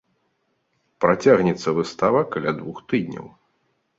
Працягнецца выстава каля двух тыдняў.